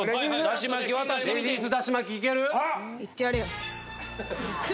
いってやれよ！